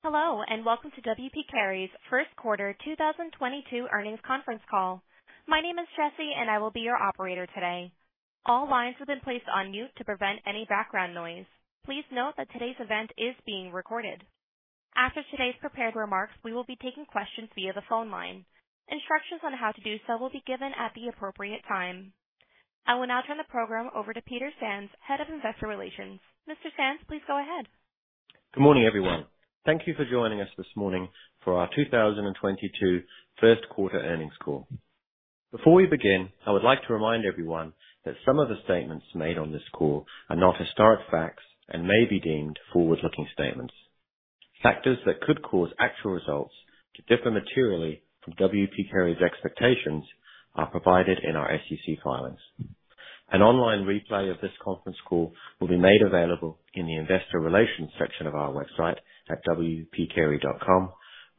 Hello, and welcome to W. P. Carey's Q1 2022 earnings conference call. My name is Jesse, and I will be your operator today. All lines have been placed on mute to prevent any background noise. Please note that today's event is being recorded. After today's prepared remarks, we will be taking questions via the phone line. Instructions on how to do so will be given at the appropriate time. I will now turn the program over to Peter Sands, Head of Investor Relations. Mr. Sands, please go ahead. Good morning, everyone. Thank you for joining us this morning for our 2022 Q1 earnings call. Before we begin, I would like to remind everyone that some of the statements made on this call are not historic facts and may be deemed forward-looking statements. Factors that could cause actual results to differ materially from W. P. Carey's expectations are provided in our SEC filings. An online replay of this conference call will be made available in the investor relations section of our website at wpcarey.com,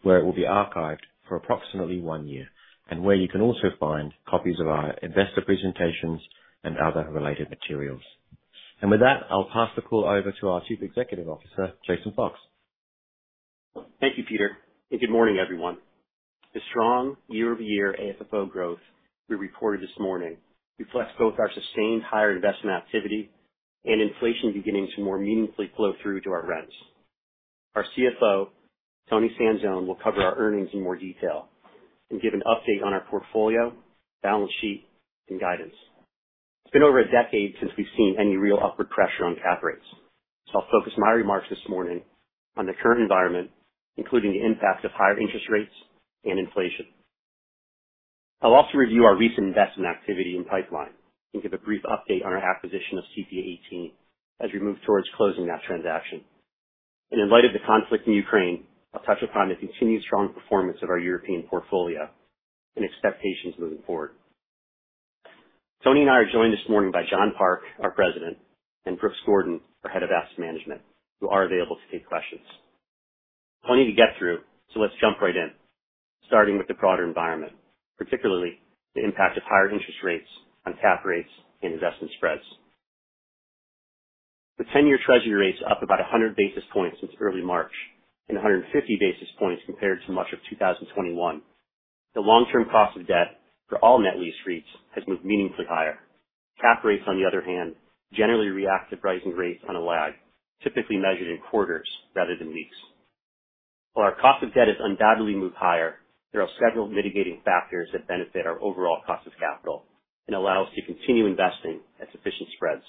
where it will be archived for approximately one year, and where you can also find copies of our investor presentations and other related materials. With that, I'll pass the call over to our Chief Executive Officer, Jason Fox. Thank you, Peter, and good morning, everyone. The strong year-over-year AFFO growth we reported this morning reflects both our sustained higher investment activity and inflation beginning to more meaningfully flow through to our rents. Our CFO, Toni Sanzone, will cover our earnings in more detail and give an update on our portfolio, balance sheet, and guidance. It's been over a decade since we've seen any real upward pressure on cap rates, so I'll focus my remarks this morning on the current environment, including the impact of higher interest rates and inflation. I'll also review our recent investment activity and pipeline and give a brief update on our acquisition of CPA:18 as we move towards closing that transaction. In light of the conflict in Ukraine, I'll touch upon the continued strong performance of our European portfolio and expectations moving forward. Toni and I are joined this morning by John Park, our President, and Brooks Gordon, our Head of Asset Management, who are available to take questions. Plenty to get through, so let's jump right in, starting with the broader environment, particularly the impact of higher interest rates on cap rates and investment spreads. The ten-year Treasury rate's up about 100 basis points since early March and 150 basis points compared to March of 2021. The long-term cost of debt for all net lease REITs has moved meaningfully higher. Cap rates, on the other hand, generally react to rising rates on a lag, typically measured in quarters rather than weeks. While our cost of debt has undoubtedly moved higher, there are several mitigating factors that benefit our overall cost of capital and allow us to continue investing at sufficient spreads.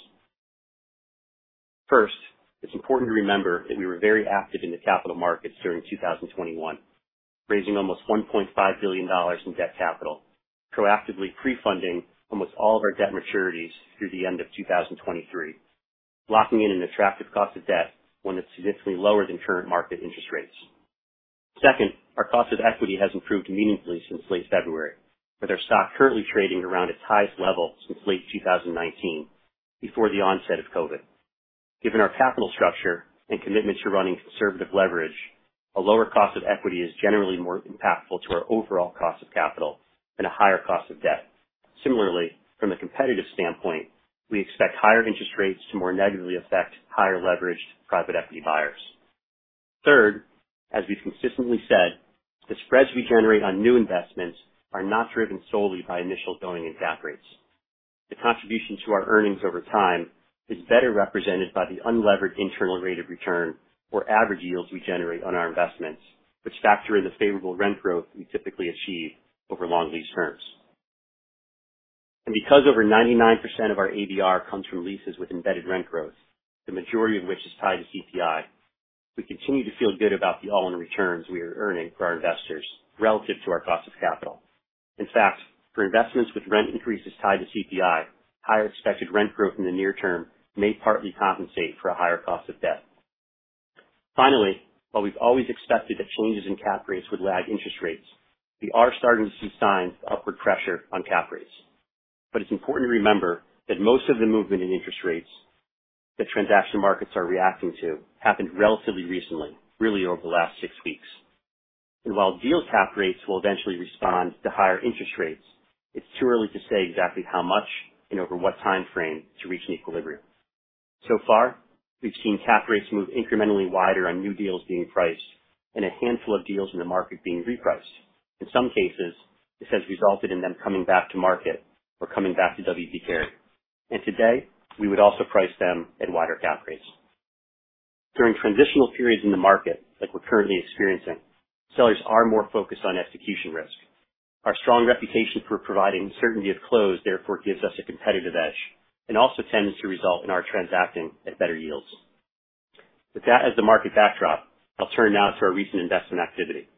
First, it's important to remember that we were very active in the capital markets during 2021, raising almost $1.5 billion in debt capital, proactively pre-funding almost all of our debt maturities through the end of 2023, locking in an attractive cost of debt when it's significantly lower than current market interest rates. Second, our cost of equity has improved meaningfully since late February, with our stock currently trading around its highest level since late 2019, before the onset of COVID. Given our capital structure and commitment to running conservative leverage, a lower cost of equity is generally more impactful to our overall cost of capital than a higher cost of debt. Similarly, from a competitive standpoint, we expect higher interest rates to more negatively affect higher-leveraged private equity buyers. Third, as we've consistently said, the spreads we generate on new investments are not driven solely by initial zoning and cap rates. The contribution to our earnings over time is better represented by the unlevered internal rate of return or average yields we generate on our investments, which factor in the favorable rent growth we typically achieve over long lease terms. Because over 99% of our ABR comes from leases with embedded rent growth, the majority of which is tied to CPI, we continue to feel good about the all-in returns we are earning for our investors relative to our cost of capital. In fact, for investments with rent increases tied to CPI, higher expected rent growth in the near term may partly compensate for a higher cost of debt. Finally, while we've always expected that changes in cap rates would lag interest rates, we are starting to see signs of upward pressure on cap rates. It's important to remember that most of the movement in interest rates that transaction markets are reacting to happened relatively recently, really over the last six weeks. While deal cap rates will eventually respond to higher interest rates, it's too early to say exactly how much and over what timeframe to reach an equilibrium. So far, we've seen cap rates move incrementally wider on new deals being priced and a handful of deals in the market being repriced. In some cases, this has resulted in them coming back to market or coming back to W. P. Carey. Today, we would also price them at wider cap rates. During transitional periods in the market, like we're currently experiencing, sellers are more focused on execution risk. Our strong reputation for providing certainty of close therefore gives us a competitive edge and also tends to result in our transacting at better yields. With that as the market backdrop, I'll turn now to our recent investment activity.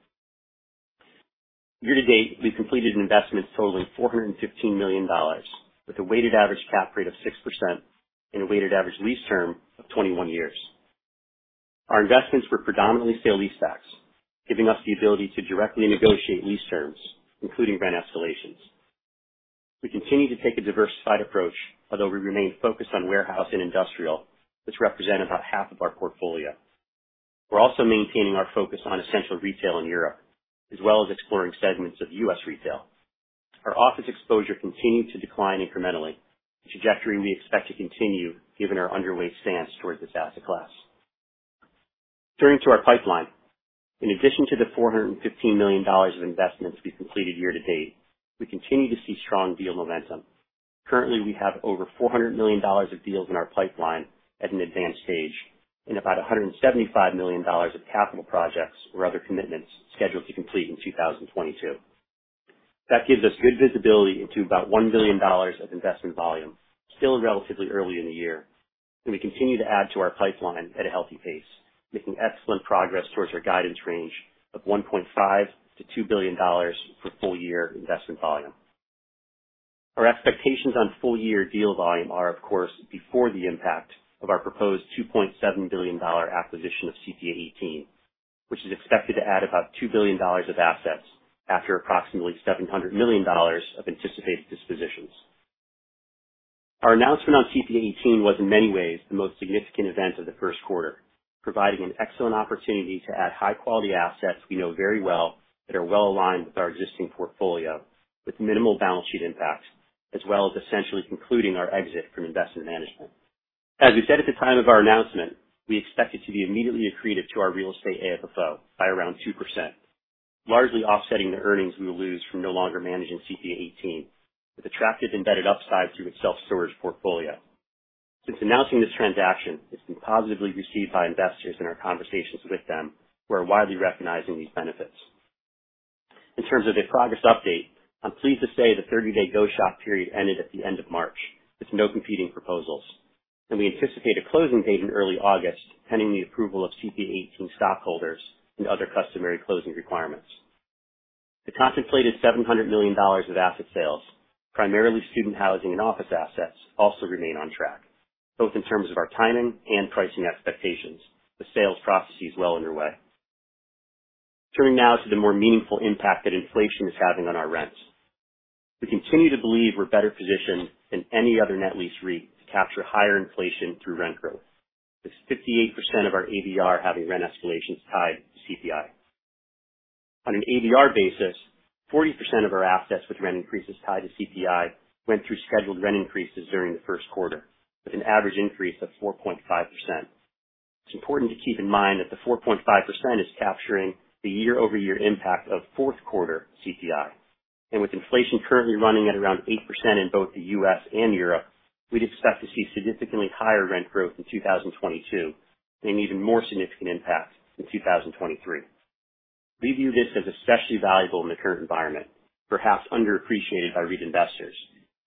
Year to date, we've completed investments totaling $415 million with a weighted average cap rate of 6% and a weighted average lease term of 21 years. Our investments were predominantly sale-leasebacks, giving us the ability to directly negotiate lease terms, including rent escalations. We continue to take a diversified approach, although we remain focused on warehouse and industrial, which represent about half of our portfolio. We're also maintaining our focus on essential retail in Europe, as well as exploring segments of U.S. retail. Our office exposure continued to decline incrementally, a trajectory we expect to continue given our underweight stance towards this asset class. Turning to our pipeline. In addition to the $415 million of investments we completed year-to-date, we continue to see strong deal momentum. Currently, we have over $400 million of deals in our pipeline at an advanced stage and about $175 million of capital projects or other commitments scheduled to complete in 2022. That gives us good visibility into about $1 billion of investment volume still relatively early in the year, and we continue to add to our pipeline at a healthy pace, making excellent progress towards our guidance range of $1.5 billion -$2 billion for full year investment volume. Our expectations on full year deal volume are, of course, before the impact of our proposed $2.7 billion acquisition of CPA-18, which is expected to add about $2 billion of assets after approximately $700 million of anticipated dispositions. Our announcement on CPA-18 was in many ways the most significant event of the Q1, providing an excellent opportunity to add high-quality assets we know very well that are well-aligned with our existing portfolio with minimal balance sheet impact, as well as essentially concluding our exit from investment management. As we said at the time of our announcement, we expect it to be immediately accretive to our real estate AFFO by around 2%, largely offsetting the earnings we will lose from no longer managing CPA-18, with attractive embedded upside through its self-storage portfolio. Since announcing this transaction, it's been positively received by investors in our conversations with them, who are widely recognizing these benefits. In terms of a progress update, I'm pleased to say the 30-day go shop period ended at the end of March with no competing proposals, and we anticipate a closing date in early August, pending the approval of CPA-18 stockholders and other customary closing requirements. The contemplated $700 million of asset sales, primarily student housing and office assets, also remain on track, both in terms of our timing and pricing expectations, with sales processes well underway. Turning now to the more meaningful impact that inflation is having on our rents. We continue to believe we're better positioned than any other net lease REIT to capture higher inflation through rent growth, with 58% of our ADR having rent escalations tied to CPI. On an ADR basis, 40% of our assets with rent increases tied to CPI went through scheduled rent increases during the Q1, with an average increase of 4.5%. It's important to keep in mind that the 4.5% is capturing the year-over-year impact of Q4 CPI. With inflation currently running at around 8% in both the U.S. and Europe, we'd expect to see significantly higher rent growth in 2022 and even more significant impact in 2023. We view this as especially valuable in the current environment, perhaps underappreciated by REIT investors,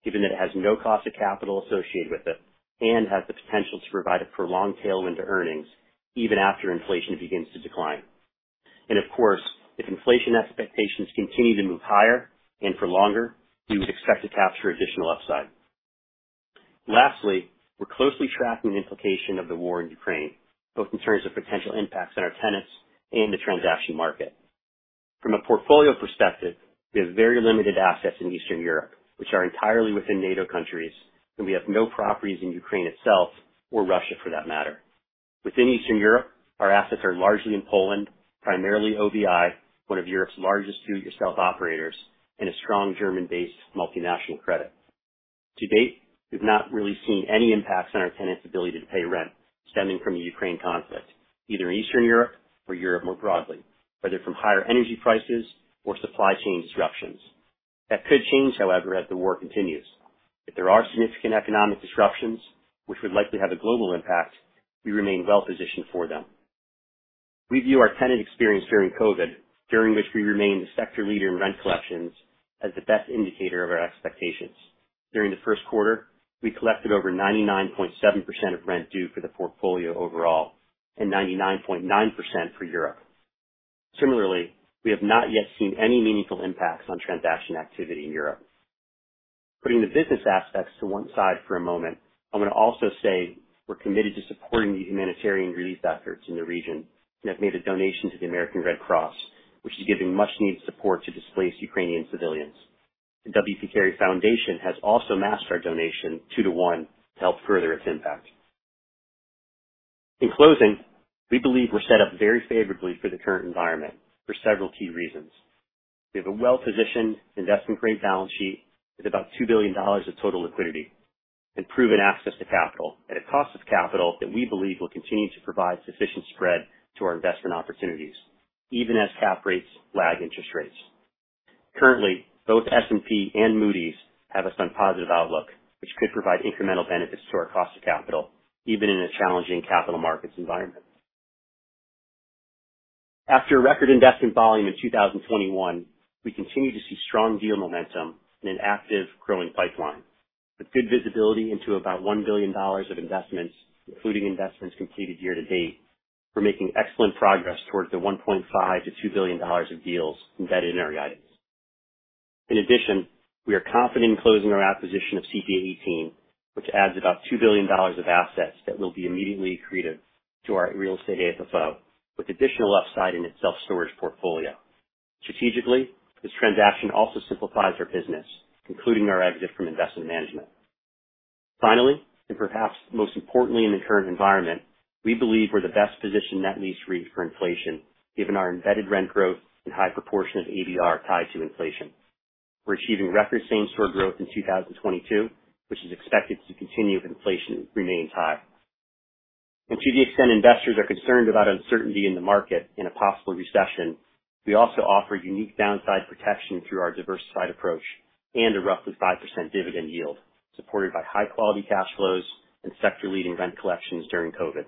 given that it has no cost of capital associated with it and has the potential to provide a prolonged tailwind to earnings even after inflation begins to decline. Of course, if inflation expectations continue to move higher and for longer, we would expect to capture additional upside. Lastly, we're closely tracking the implication of the war in Ukraine, both in terms of potential impacts on our tenants and the transaction market. From a portfolio perspective, we have very limited assets in Eastern Europe, which are entirely within NATO countries, and we have no properties in Ukraine itself or Russia for that matter. Within Eastern Europe, our assets are largely in Poland, primarily OBI, one of Europe's largest do-it-yourself operators, and a strong German-based multinational credit. To date, we've not really seen any impacts on our tenants' ability to pay rent stemming from the Ukraine conflict, either in Eastern Europe or Europe more broadly, whether from higher energy prices or supply chain disruptions. That could change, however, as the war continues. If there are significant economic disruptions which would likely have a global impact, we remain well positioned for them. We view our tenant experience during COVID, during which we remained the sector leader in rent collections, as the best indicator of our expectations. During the Q1, we collected over 99.7% of rent due for the portfolio overall and 99.9% for Europe. Similarly, we have not yet seen any meaningful impacts on transaction activity in Europe. Putting the business aspects to one side for a moment, I'm gonna also say we're committed to supporting the humanitarian relief efforts in the region and have made a donation to the American Red Cross, which is giving much-needed support to displaced Ukrainian civilians. The W. P. Carey Foundation has also matched our donation 2-to-1 to help further its impact. In closing, we believe we're set up very favorably for the current environment for several key reasons. We have a well-positioned investment-grade balance sheet with about $2 billion of total liquidity and proven access to capital at a cost of capital that we believe will continue to provide sufficient spread to our investment opportunities, even as cap rates lag interest rates. Currently, both S&P and Moody's have us on positive outlook, which could provide incremental benefits to our cost of capital, even in a challenging capital markets environment. After a record investment volume in 2021, we continue to see strong deal momentum in an active growing pipeline. With good visibility into about $1 billion of investments, including investments completed year-to-date, we're making excellent progress towards the $1.5 billion-$2 billion of deals embedded in our guidance. In addition, we are confident in closing our acquisition of CPA:18, which adds about $2 billion of assets that will be immediately accretive to our real estate AFFO, with additional upside in its self-storage portfolio. Strategically, this transaction also simplifies our business, concluding our exit from investment management. Finally, and perhaps most importantly in the current environment, we believe we're the best positioned net lease REIT for inflation given our embedded rent growth and high proportion of ABR tied to inflation. We're achieving record same store growth in 2022, which is expected to continue if inflation remains high. To the extent investors are concerned about uncertainty in the market in a possible recession, we also offer unique downside protection through our diversified approach and a roughly 5% dividend yield, supported by high quality cash flows and sector leading rent collections during COVID.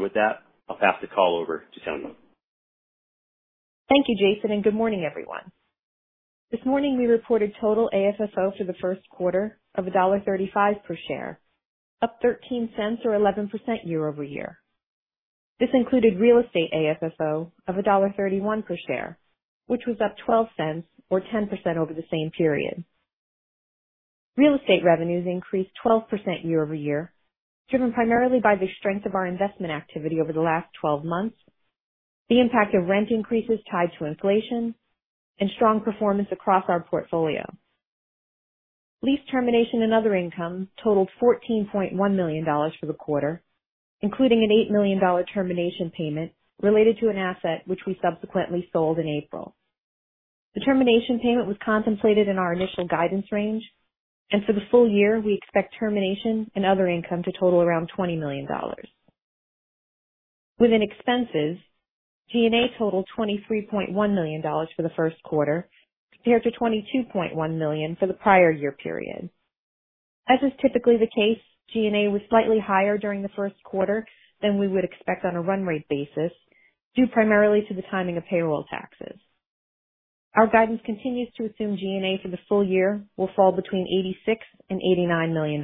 With that, I'll pass the call over to Toni. Thank you, Jason, and good morning, everyone. This morning we reported total AFFO for the Q1 of $1.35 per share, up $0.13 or 11% year-over-year. This included real estate AFFO of $1.31 per share, which was up $0.12 or 10% over the same period. Real estate revenues increased 12% year-over-year, driven primarily by the strength of our investment activity over the last 12 months, the impact of rent increases tied to inflation and strong performance across our portfolio. Lease termination and other income totaled $14.1 million for the quarter, including an $8 million termination payment related to an asset which we subsequently sold in April. The termination payment was contemplated in our initial guidance range, and for the full year, we expect termination and other income to total around $20 million. Within expenses, G&A totaled $23.1 million for the Q1 compared to $22.1 million for the prior year period. As is typically the case, G&A was slightly higher during the Q1 than we would expect on a run rate basis, due primarily to the timing of payroll taxes. Our guidance continues to assume G&A for the full year will fall between $86 million-$89 million.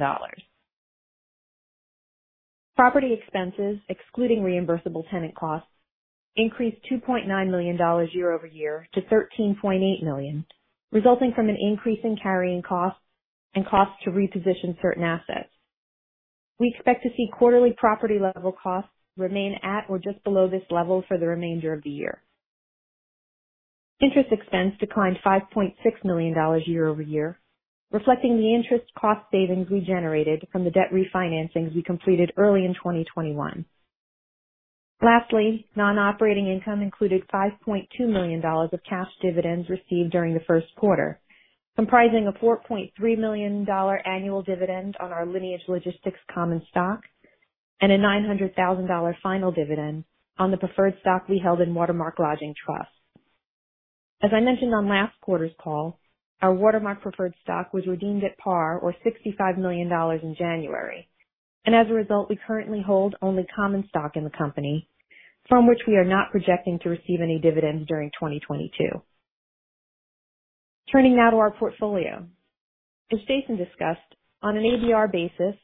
Property expenses, excluding reimbursable tenant costs, increased $2.9 million year-over-year to $13.8 million, resulting from an increase in carrying costs and costs to reposition certain assets. We expect to see quarterly property level costs remain at or just below this level for the remainder of the year. Interest expense declined $5.6 million year-over-year, reflecting the interest cost savings we generated from the debt refinancings we completed early in 2021. Lastly, non-operating income included $5.2 million of cash dividends received during the Q1, comprising a $4.3 million annual dividend on our Lineage Logistics common stock and a $900,000 final dividend on the preferred stock we held in Watermark Lodging Trust. As I mentioned on last quarter's call, our Watermark preferred stock was redeemed at par or $65 million in January, and as a result, we currently hold only common stock in the company from which we are not projecting to receive any dividends during 2022. Turning now to our portfolio. As Jason discussed, on an ABR basis,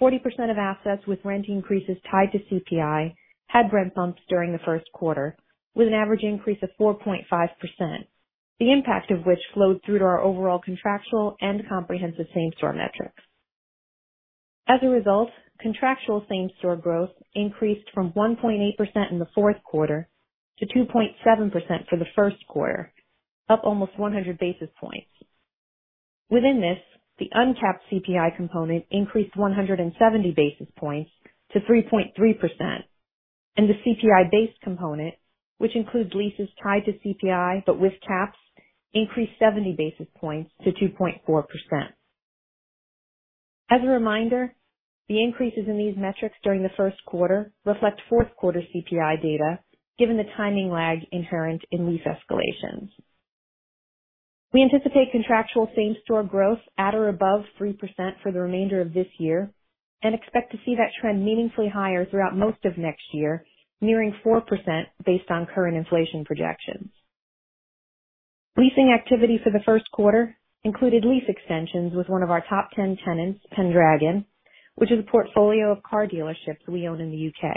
40% of assets with rent increases tied to CPI had rent bumps during the Q1 with an average increase of 4.5%. The impact of which flowed through to our overall contractual and comprehensive same store metrics. As a result, contractual same store growth increased from 1.8% in the Q4 to 2.7% for the Q1, up almost 100 basis points. Within this, the uncapped CPI component increased 170 basis points to 3.3% and the CPI based component, which includes leases tied to CPI but with caps, increased 70 basis points to 2.4%. As a reminder, the increases in these metrics during the Q1 reflect Q4 CPI data given the timing lag inherent in lease escalations. We anticipate contractual same store growth at or above 3% for the remainder of this year, and expect to see that trend meaningfully higher throughout most of next year, nearing 4% based on current inflation projections. Leasing activity for the Q1 included lease extensions with one of our top ten tenants, Pendragon, which is a portfolio of car dealerships we own in the U.K.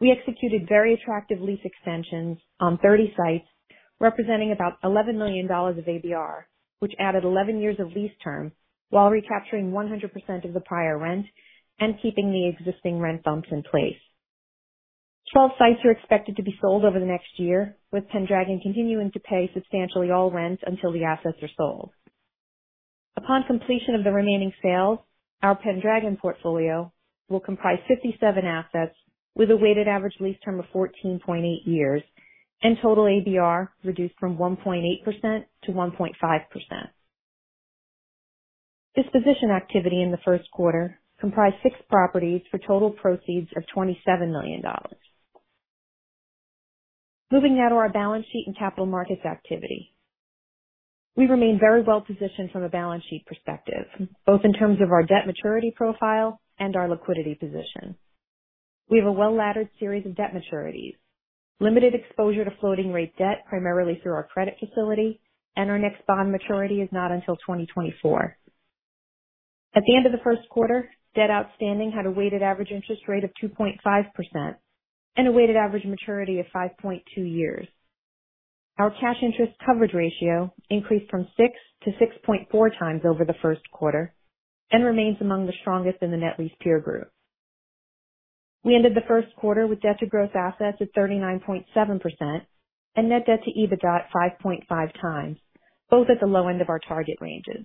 We executed very attractive lease extensions on 30 sites representing about $11 million of ABR, which added 11 years of lease term while recapturing 100% of the prior rent and keeping the existing rent bumps in place. 12 sites are expected to be sold over the next year, with Pendragon continuing to pay substantially all rent until the assets are sold. Upon completion of the remaining sales, our Pendragon portfolio will comprise 57 assets with a weighted average lease term of 14.8 years and total ABR reduced from 1.8% to 1.5%. Disposition activity in the Q1 comprised six properties for total proceeds of $27 million. Moving now to our balance sheet and capital markets activity. We remain very well positioned from a balance sheet perspective, both in terms of our debt maturity profile and our liquidity position. We have a well-laddered series of debt maturities, limited exposure to floating rate debt, primarily through our credit facility, and our next bond maturity is not until 2024. At the end of the Q1, debt outstanding had a weighted average interest rate of 2.5% and a weighted average maturity of 5.2 years. Our cash interest coverage ratio increased from 6 to 6.4 times over the Q1 and remains among the strongest in the net lease peer group. We ended the Q1 with debt to gross assets of 39.7% and net debt to EBITDA at 5.5 times, both at the low end of our target ranges.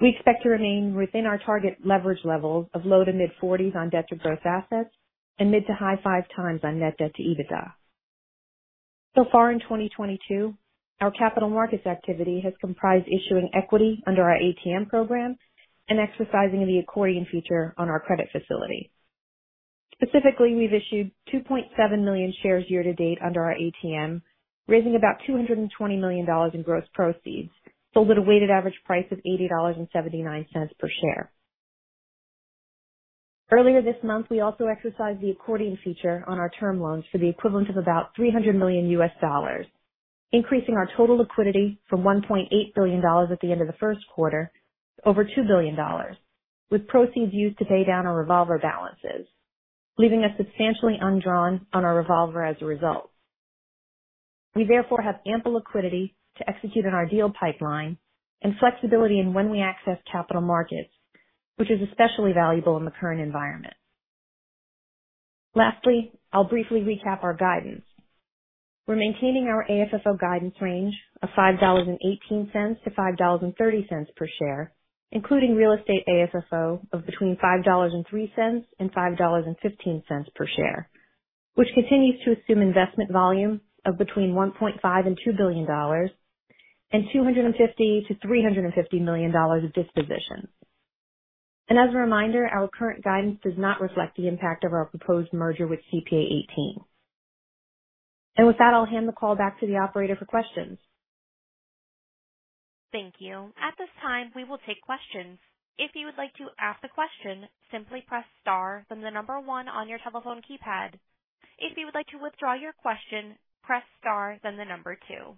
We expect to remain within our target leverage levels of low- to mid-40s on debt to gross assets and mid- to high 5 times on net debt to EBITDA. So far in 2022, our capital markets activity has comprised issuing equity under our ATM program and exercising the accordion feature on our credit facility. Specifically, we've issued 2.7 million shares year to date under our ATM, raising about $220 million in gross proceeds sold at a weighted average price of $80.79 per share. Earlier this month, we also exercised the accordion feature on our term loans for the equivalent of about $300 million, increasing our total liquidity from $1.8 billion at the end of the Q1 to over $2 billion, with proceeds used to pay down our revolver balances, leaving us substantially undrawn on our revolver as a result. We therefore have ample liquidity to execute on our deal pipeline and flexibility in when we access capital markets, which is especially valuable in the current environment. Lastly, I'll briefly recap our guidance. We're maintaining our AFFO guidance range of $5.18-$5.30 per share, including real estate AFFO of between $5.03 and $5.15 per share, which continues to assume investment volume of between $1.5 billion and $2 billion and $250 million-$350 million of dispositions. As a reminder, our current guidance does not reflect the impact of our proposed merger with CPA-18. With that, I'll hand the call back to the operator for questions. Thank you. At this time, we will take questions. If you would like to ask a question, simply press star, then one on your telephone keypad. If you would like to withdraw your question, press star, then two.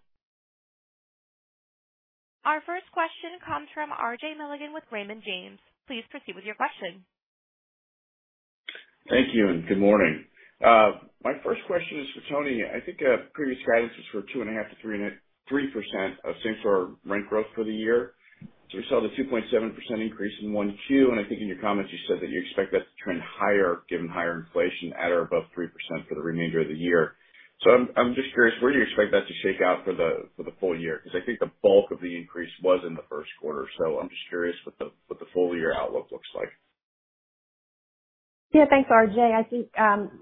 Our first question comes from RJ Milligan with Raymond James. Please proceed with your question. Thank you, and good morning. My first question is for Toni. I think previous guidance was for 2.5%-3.8% of same-store rent growth for the year. We saw the 2.7% increase in 1Q. I think in your comments you said that you expect that to trend higher given higher inflation at or above 3% for the remainder of the year. I'm just curious, where do you expect that to shake out for the full year? Because I think the bulk of the increase was in the Q1. I'm just curious what the full year outlook looks like. Yeah. Thanks, RJ. I think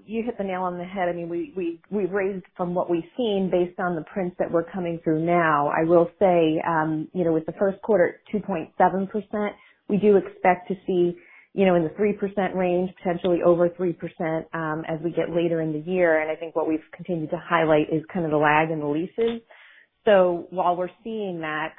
you hit the nail on the head. I mean, we've raised from what we've seen based on the prints that we're coming through now. I will say, you know, with the Q1 at 2.7%, we do expect to see, you know, in the 3% range, potentially over 3%, as we get later in the year. I think what we've continued to highlight is kind of the lag in the leases. So while we're seeing that,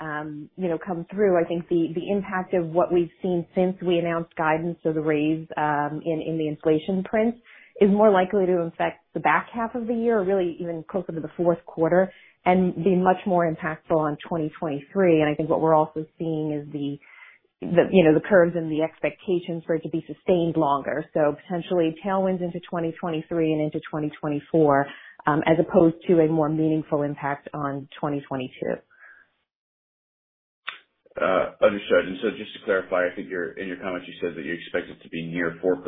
you know, come through, I think the impact of what we've seen since we announced guidance or the raise in the inflation prints is more likely to affect the back half of the year, really even closer to the Q4 and be much more impactful on 2023. I think what we're also seeing is the you know the curves and the expectations for it to be sustained longer. Potentially tailwinds into 2023 and into 2024, as opposed to a more meaningful impact on 2022. Just to clarify, I think you're in your comments you said that you expect it to be near 4%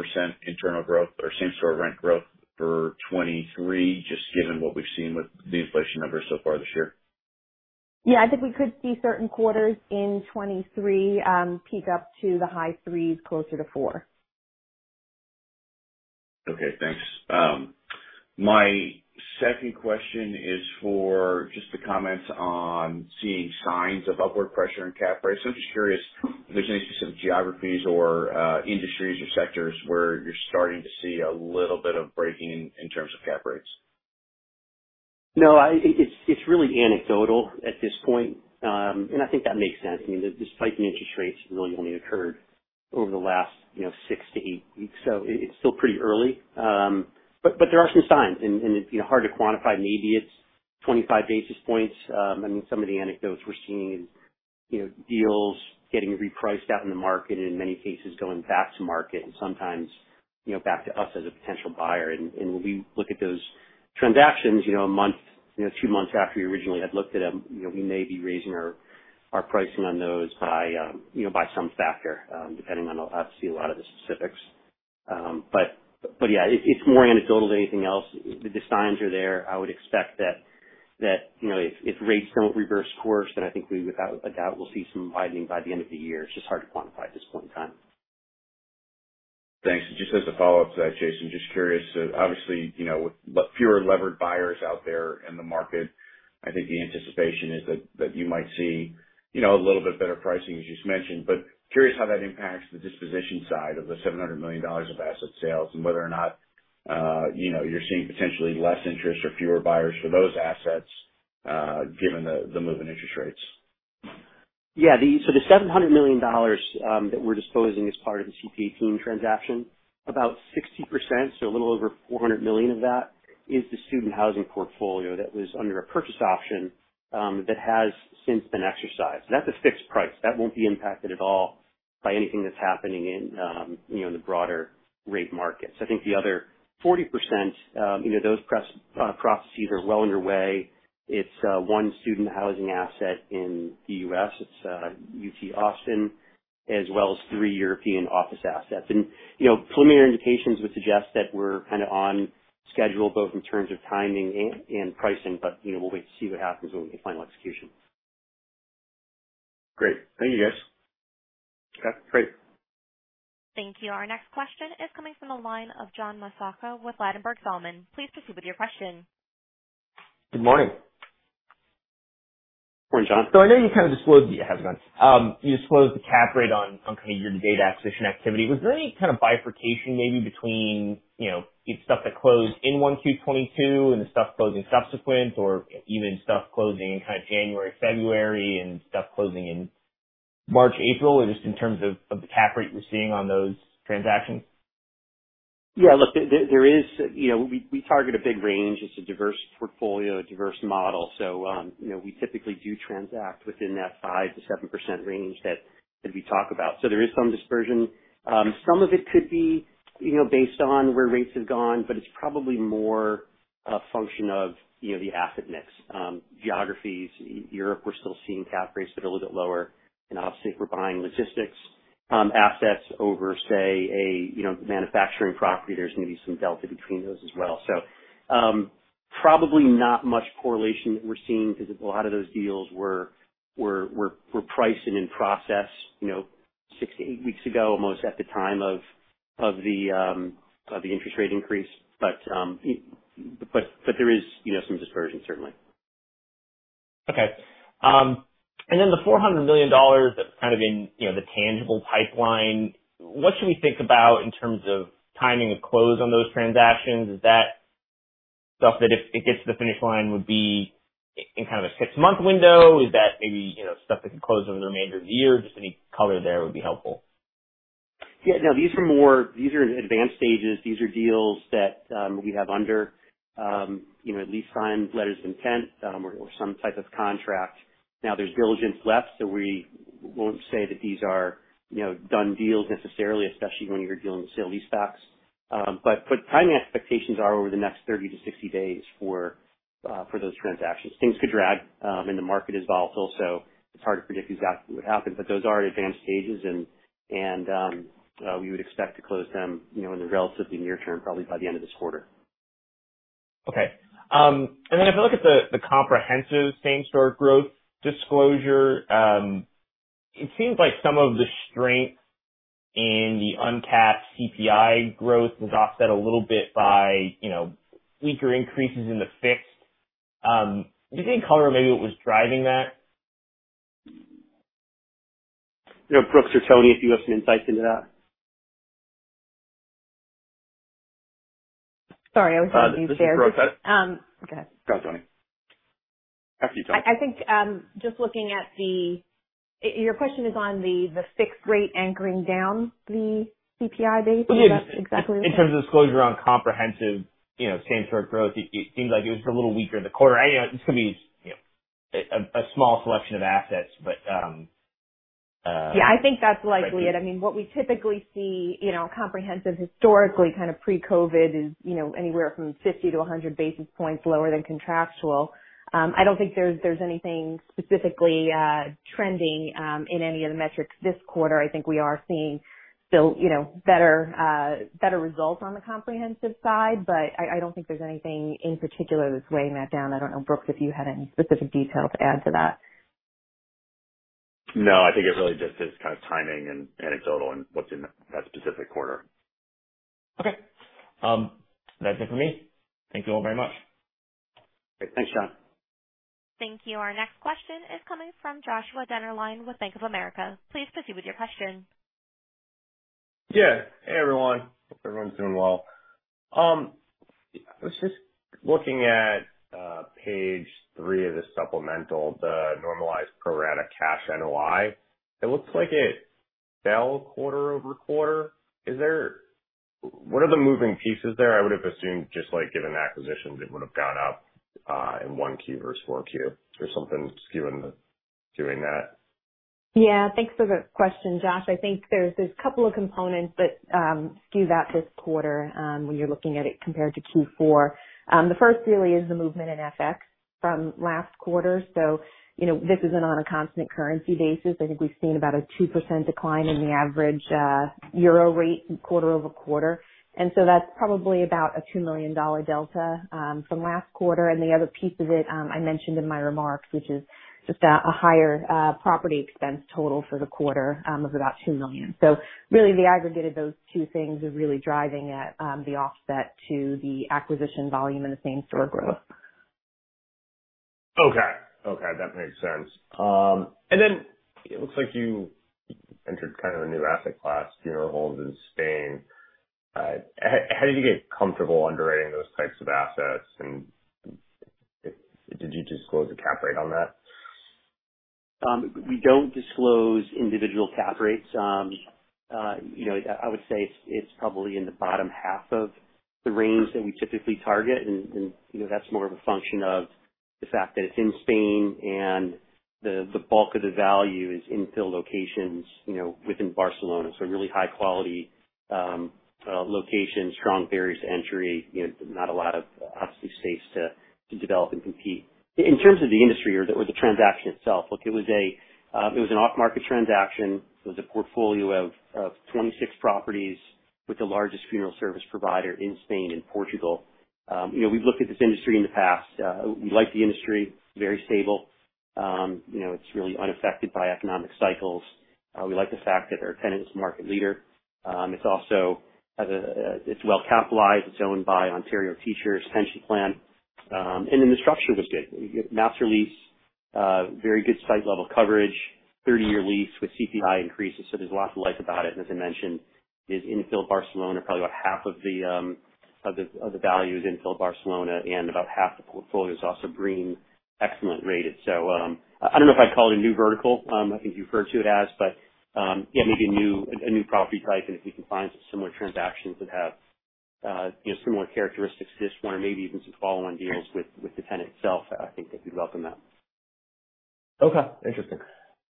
internal growth or same-store rent growth for 2023, just given what we've seen with the inflation numbers so far this year. Yeah, I think we could see certain quarters in 2023 peak up to the high 3s, closer to 4%. Okay, thanks. My second question is for just the comments on seeing signs of upward pressure in cap rates. I'm just curious if there's any specific geographies or industries or sectors where you're starting to see a little bit of breaking in terms of cap rates. No, it's really anecdotal at this point. I think that makes sense. I mean, the spike in interest rates really only occurred over the last, you know, 6-8 weeks. It's still pretty early. But there are some signs and, you know, hard to quantify. Maybe it's 25 basis points. I mean, some of the anecdotes we're seeing is, you know, deals getting repriced out in the market and in many cases going back to market and sometimes, you know, back to us as a potential buyer. We look at those transactions, you know, a month, you know, two months after we originally had looked at them, you know, we may be raising our pricing on those by, you know, by some factor, depending on, I'd have to see a lot of the specifics. But yeah, it's more anecdotal than anything else. The signs are there. I would expect that, you know, if rates don't reverse course, then I think we, without a doubt, will see some widening by the end of the year. It's just hard to quantify at this point in time. Thanks. Just as a follow-up to that, Jason, just curious, obviously, you know, with fewer levered buyers out there in the market, I think the anticipation is that you might see, you know, a little bit better pricing as you just mentioned, but curious how that impacts the disposition side of the $700 million of asset sales and whether or not, you know, you're seeing potentially less interest or fewer buyers for those assets, given the move in interest rates. Yeah. So the $700 million that we're disposing as part of the CPA:18 transaction, about 60%, so a little over $400 million of that, is the student housing portfolio that was under a purchase option that has since been exercised. That's a fixed price. That won't be impacted at all by anything that's happening in, you know, in the broader rate markets. I think the other 40%, you know, those properties are well underway. It's one student housing asset in the U.S., it's UT Austin, as well as three European office assets. You know, preliminary indications would suggest that we're kinda on schedule, both in terms of timing and pricing. You know, we'll wait to see what happens when we get final execution. Great. Thank you, guys. Yeah. Great. Thank you. Our next question is coming from the line of John Massocca with Ladenburg Thalmann. Please proceed with your question. Good morning. Morning, John. I know you kind of disclosed, yeah, how's it going? you disclosed the cap rate on kind of year-to-date acquisition activity. Was there any kind of bifurcation maybe between, you know, stuff that closed in 1Q 2022 and the stuff closed in subsequent or even stuff closing in kind of January, February and stuff closing in March, April, or just in terms of the cap rate you're seeing on those transactions? Yeah, look, there is. You know, we target a big range. It's a diverse portfolio, a diverse model. We typically do transact within that 5%-7% range that we talk about. There is some dispersion. Some of it could be based on where rates have gone, but it's probably more a function of the asset mix, geographies. Europe, we're still seeing cap rates that are a little bit lower. Obviously, if we're buying logistics assets over, say, a manufacturing property, there's gonna be some delta between those as well. Probably not much correlation that we're seeing because a lot of those deals were priced and in process, you know, 6-8 weeks ago, almost at the time of the interest rate increase. There is, you know, some dispersion certainly. Okay. And then the $400 million that's kind of in, you know, the tangible pipeline, what should we think about in terms of timing of close on those transactions? Is that stuff that if it gets to the finish line, would be in kind of a six-month window? Is that maybe, you know, stuff that could close over the remainder of the year? Just any color there would be helpful. Yeah. No, these are advanced stages. These are deals that we have under, you know, at least signed letters of intent or some type of contract. Now, there's diligence left, so we won't say that these are, you know, done deals necessarily, especially when you're dealing with sale leasebacks. But timing expectations are over the next 30-60 days for those transactions. Things could drag, and the market is volatile, so it's hard to predict exactly what happens. Those are at advanced stages and we would expect to close them, you know, in the relatively near term, probably by the end of this quarter. Okay. If I look at the comprehensive same-store growth disclosure, it seems like some of the strength in the uncapped CPI growth was offset a little bit by, you know, weaker increases in the fixed. Do you think color maybe what was driving that? You know, Brooks or Toni, if you have some insights into that? Sorry, I was looking at these shares. This is Brooks. Um. Go ahead. Go ahead. Go, Toni. After you, Toni. I think your question is on the fixed rate anchoring down the CPI base? Is that exactly? In terms of disclosure on comprehensive, you know, same-store growth, it seems like it was a little weaker in the quarter. I know it's gonna be, you know, a small selection of assets, but. Yeah, I think that's likely it. I mean, what we typically see, you know, comprehensive historically kind of pre-COVID is, you know, anywhere from 50-100 basis points lower than contractual. I don't think there's anything specifically trending in any of the metrics this quarter. I think we are seeing still, you know, better results on the comprehensive side, but I don't think there's anything in particular that's weighing that down. I don't know, Brooks, if you had any specific detail to add to that. No, I think it really just is kind of timing and anecdotal and what's in that specific quarter. Okay. That's it for me. Thank you all very much. Thanks, John. Thank you. Our next question is coming from Joshua Dennerlein with Bank of America. Please proceed with your question. Yeah. Hey, everyone. Hope everyone's doing well. I was just looking at page three of the supplemental, the normalized pro rata cash NOI. It looks like it fell quarter-over-quarter. Is there? What are the moving pieces there? I would have assumed just, like, given the acquisitions, it would have gone up in 1Q versus 4Q or something doing that. Yeah, thanks for the question, Josh. I think there's a couple of components that skew that this quarter when you're looking at it compared to Q4. The first really is the movement in FX from last quarter. So, you know, this isn't on a constant currency basis. I think we've seen about a 2% decline in the average euro rate quarter-over-quarter. And so that's probably about a $2 million delta from last quarter. And the other piece of it, I mentioned in my remarks, which is just a higher property expense total for the quarter of about $2 million. So really the aggregate of those two things is really driving at the offset to the acquisition volume and the same-store growth. Okay. Okay, that makes sense. It looks like you entered kind of a new asset class, funeral homes in Spain. How did you get comfortable underwriting those types of assets, and did you disclose a cap rate on that? We don't disclose individual cap rates. You know, I would say it's probably in the bottom half of the range that we typically target and, you know, that's more of a function of the fact that it's in Spain and the bulk of the value is infill locations, you know, within Barcelona. So really high quality location, strong barriers to entry, you know, not a lot of obviously space to develop and compete. In terms of the industry or the transaction itself, look, it was an off-market transaction. It was a portfolio of 26 properties with the largest funeral service provider in Spain and Portugal. You know, we've looked at this industry in the past. We like the industry, very stable. You know, it's really unaffected by economic cycles. We like the fact that our tenant is the market leader. It also has. It's well capitalized. It's owned by Ontario Teachers' Pension Plan. Then the structure was good. Master lease, very good site level coverage, 30-year lease with CPI increases, so there's a lot to like about it. As I mentioned, it is infill Barcelona, probably about half of the value is infill Barcelona, and about half the portfolio is also green, excellent rated. I don't know if I'd call it a new vertical. I think you've heard of it as, but yeah, maybe a new property type and if we can find some similar transactions that have, you know, similar characteristics to this one or maybe even some follow-on deals with the tenant itself, I think that'd be welcome. Okay. Interesting.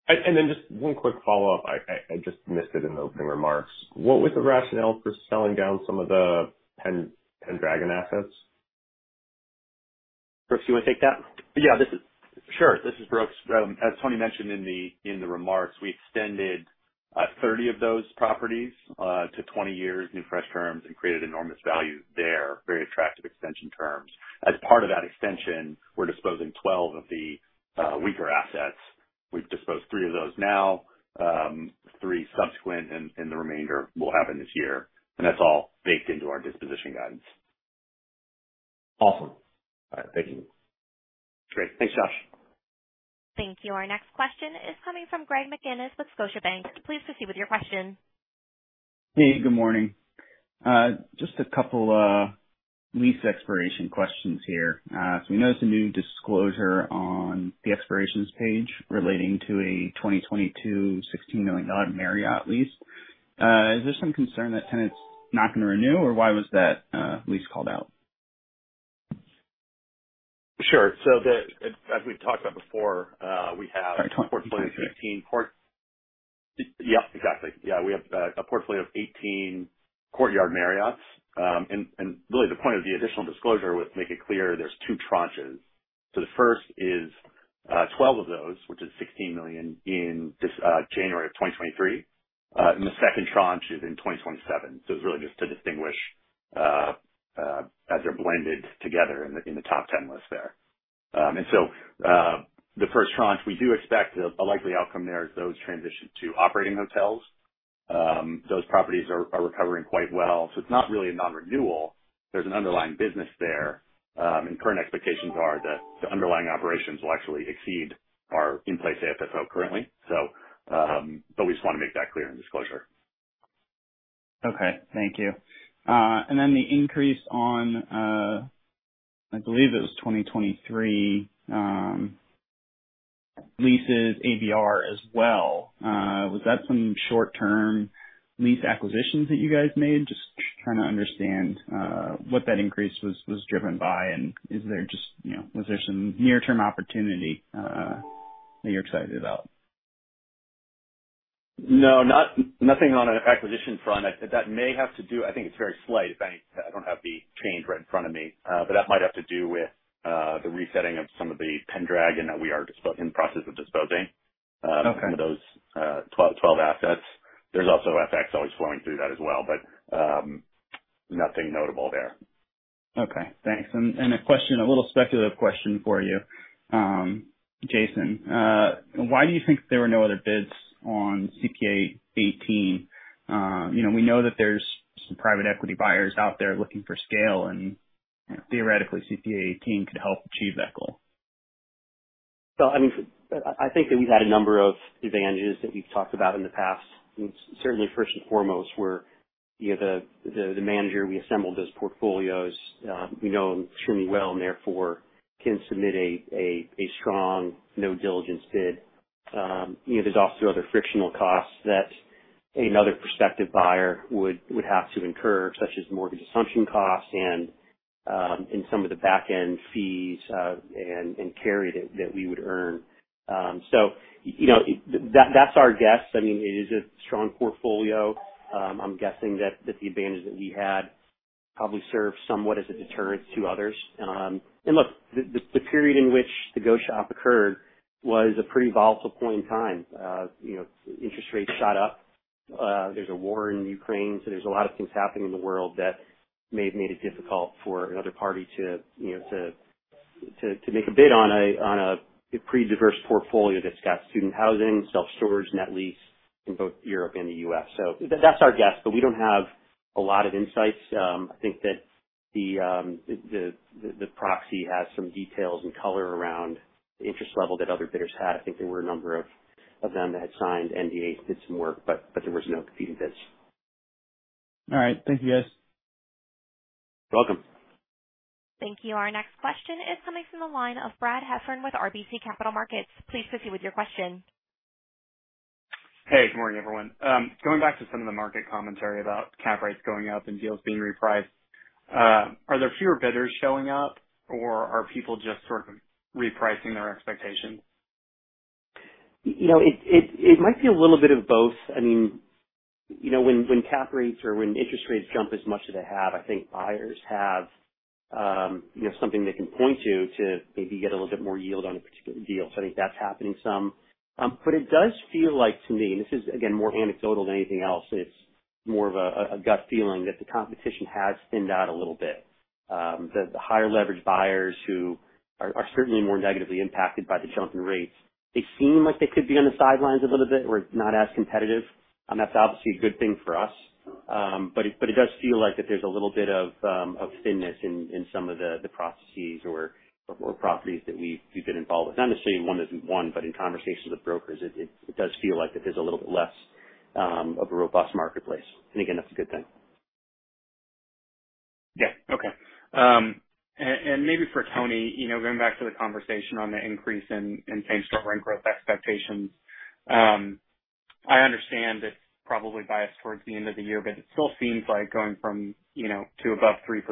Just one quick follow-up. I just missed it in the opening remarks. What was the rationale for selling down some of the Pendragon assets? Brooks, you wanna take that? Yeah. This is Brooks. As Toni mentioned in the remarks, we extended 30 of those properties to 20 years new fresh terms and created enormous value there, very attractive extension terms. As part of that extension, we're disposing 12 of the weaker assets. We've disposed three of those now, three subsequent and the remainder will happen this year. That's all baked into our disposition guidance. Awesome. All right, thank you. Great. Thanks, Josh. Thank you. Our next question is coming from Greg McGinniss with Scotiabank. Please proceed with your question. Hey, good morning. Just a couple lease expiration questions here. We noticed a new disclosure on the expirations page relating to a 2022 $16 million Marriott lease. Is there some concern that tenant's not gonna renew, or why was that lease called out? Sure. As we've talked about before, we have Sorry, 2023. Yeah, exactly. Yeah, we have a portfolio of 18 Courtyard by Marriotts. Really the point of the additional disclosure was make it clear there's 2 tranches. The first is 12 of those, which is $16 million in this January 2023. The second tranche is in 2027. It's really just to distinguish as they're blended together in the top 10 list there. The first tranche we do expect a likely outcome there is those transition to operating hotels. Those properties are recovering quite well, so it's not really a non-renewal. There's an underlying business there, and current expectations are that the underlying operations will actually exceed our in-place AFFO currently. But we just wanna make that clear in disclosure. Okay. Thank you. And then the increase on, I believe it was 2023, leases ABR as well, was that some short-term lease acquisitions that you guys made? Just trying to understand what that increase was driven by and is there just, you know, was there some near-term opportunity that you're excited about? No, nothing on an acquisition front. That may have to do. I think it's very slight if any. I don't have the change right in front of me. That might have to do with the resetting of some of the Pendragon that we are in the process of disposing. Okay. Some of those 12 assets. There's also FX always flowing through that as well, but nothing notable there. Okay, thanks. A question, a little speculative question for you, Jason. Why do you think there were no other bids on CPA Eighteen? You know, we know that there's some private equity buyers out there looking for scale, and theoretically, CPA Eighteen could help achieve that goal. I mean, I think that we've had a number of advantages that we've talked about in the past. Certainly first and foremost, we're, you know, the manager, we assembled those portfolios, we know them extremely well and therefore can submit a strong no diligence bid. You know, there's also other frictional costs that another prospective buyer would have to incur, such as mortgage assumption costs and some of the back-end fees, and carry that we would earn. You know, that's our guess. I mean, it is a strong portfolio. I'm guessing that the advantage that we had probably served somewhat as a deterrent to others. Look, the period in which the go shop occurred was a pretty volatile point in time. You know, interest rates shot up. There's a war in Ukraine, so there's a lot of things happening in the world that may have made it difficult for another party to, you know, to make a bid on a pretty diverse portfolio that's got student housing, self-storage, net lease in both Europe and the U.S. That's our guess, but we don't have a lot of insights. I think that the proxy has some details and color around the interest level that other bidders had. I think there were a number of them that had signed NDAs, did some work, but there was no competing bids. All right. Thank you guys. You're welcome. Thank you. Our next question is coming from the line of Brad Heffern with RBC Capital Markets. Please proceed with your question. Hey, good morning, everyone. Going back to some of the market commentary about cap rates going up and deals being repriced, are there fewer bidders showing up or are people just sort of repricing their expectations? You know, it might be a little bit of both. I mean, you know, when cap rates or when interest rates jump as much as they have, I think buyers have, you know, something they can point to maybe get a little bit more yield on a particular deal. So I think that's happening some. But it does feel like to me, and this is again more anecdotal than anything else, it's more of a gut feeling that the competition has thinned out a little bit. The higher leverage buyers who are certainly more negatively impacted by the jump in rates, they seem like they could be on the sidelines a little bit. We're not as competitive. That's obviously a good thing for us. It does feel like there's a little bit of thinness in some of the processes or properties that we've been involved with. Not necessarily one doesn't want, but in conversations with brokers, it does feel like there's a little bit less of a robust marketplace. Again, that's a good thing. Yeah. Okay. And maybe for Toni, you know, going back to the conversation on the increase in same-store and growth expectations, I understand it's probably biased towards the end of the year, but it still seems like going from, you know, to above 3%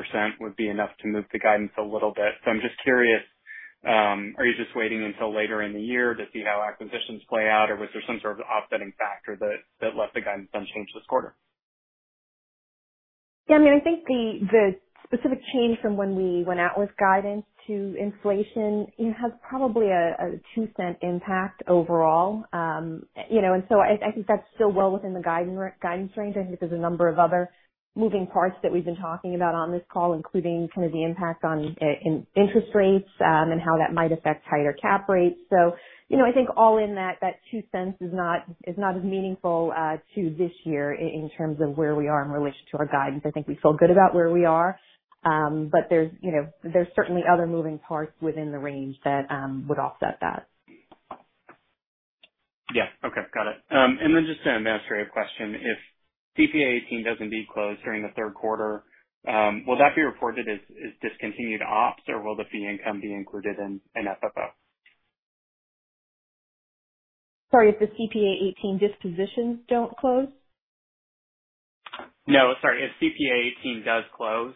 would be enough to move the guidance a little bit. I'm just curious, are you just waiting until later in the year to see how acquisitions play out, or was there some sort of offsetting factor that left the guidance unchanged this quarter? Yeah, I mean, I think the specific change from when we went out with guidance to inflation, it has probably a $0.02 impact overall. You know, I think that's still well within the guiding range. I think there's a number of other moving parts that we've been talking about on this call, including kind of the impact on interest rates and how that might affect higher cap rates. You know, I think all in that $0.02 is not as meaningful to this year in terms of where we are in relation to our guidance. I think we feel good about where we are. But there's you know, there's certainly other moving parts within the range that would offset that. Yeah. Okay. Got it. Just an administrative question. If CPA:18 doesn't deconsolidate during the Q3, will that be reported as discontinued ops, or will the fee income be included in FFO? Sorry, if the CPA:18 dispositions don't close? No, sorry. If CPA:18 does close,